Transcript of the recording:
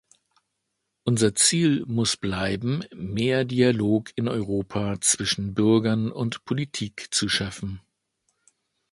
Unser Ziel muss bleiben, mehr Dialog in Europa zwischen Bürgern und Politik zu schaffen.